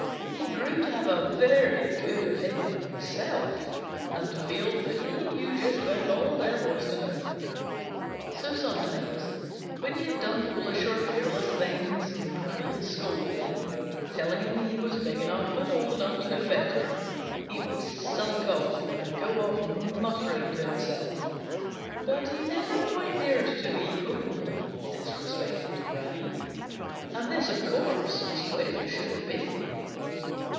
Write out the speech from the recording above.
He grew to have a very good opinion of himself and to feel that he knew just about all there was to know. So sometimes when he had done foolish or careless things and Granny had scolded him, telling him he was big enough and old enough to know better, he would sulk and go off muttering to himself. But he never quite dared to be openly disrespectful to Granny, and this, of course, was quite as it should have been.